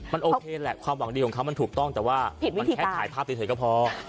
มันโอเคแหละความหวังดีของเขามันถูกต้องแต่ว่ามันแค่ถ่ายภาพเฉยก็พอ